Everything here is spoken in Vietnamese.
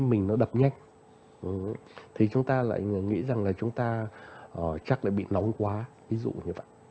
khi mình nó đập nhách thì chúng ta lại nghĩ rằng là chúng ta chắc là bị nóng quá ví dụ như vậy